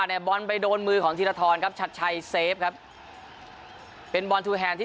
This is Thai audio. เนี่ยบอลไปโดนมือของธีรทรครับชัดชัยเซฟครับเป็นบอลทูแฮนดที่